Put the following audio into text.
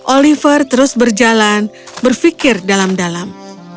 oliver terus berjalan berfikir dalam dalam